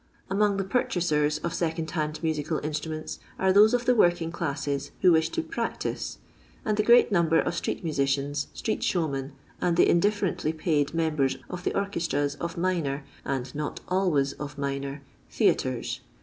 Among the purchasers of second hand musical instruments are those of the working classes who wish to " practise," and the great number of street musicians, street showmen, and the indifferently paid members of the orchestras of minor (and not always of minor) theatres.